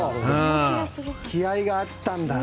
気合があったんだ。